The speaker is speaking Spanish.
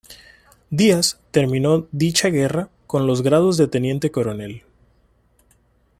Díaz terminó dicha guerra con los grados de Teniente Coronel.